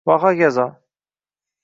va hokazo